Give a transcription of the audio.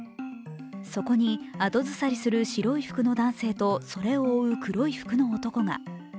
そこに後ずさりする白い服の男性とそれを追う黒い服の男が。